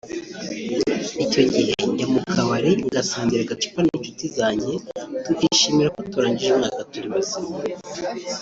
Icyo gihe njya mu kabari ngasangira agacupa n’inshuti zanjye tukishimira ko turangije umwaka turi bazima”